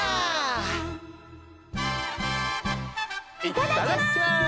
いただきます！